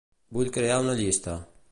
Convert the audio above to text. Vull crear una llista.